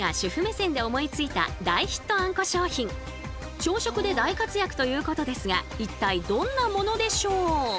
朝食で大活躍ということですが一体どんなものでしょう？